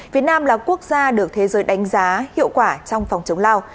việt nam là quốc gia được thế giới đánh giá hiệu quả trong phòng chống lao